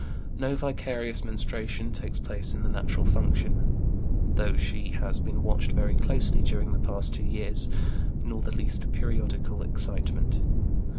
No vicarious menstruation takes the place of the natural function, though she has been watched very closely during the past two years, nor the least periodical excitement.